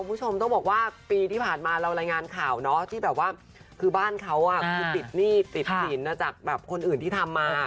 ผู้ชมต้องบอกว่าปีที่ผ่านมาเรารายงานข่าวที่บ้านเขาติดหนี้ติดสินจากคนอื่นที่ทำมา